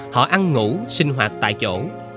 họ ăn ngủ sinh hoạt tại chỗ